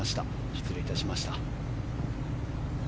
失礼いたしました。